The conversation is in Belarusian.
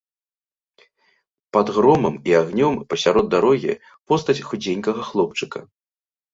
Пад громам і агнём, пасярод дарогі, постаць худзенькага хлопчыка.